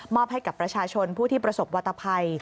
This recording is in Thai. ให้กับประชาชนผู้ที่ประสบวัตภัย